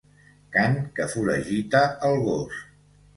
Cant que foragita el gos.